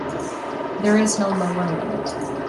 There is no lower limit.